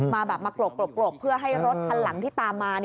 มากรบเพื่อให้รถทันหลังที่ตามมา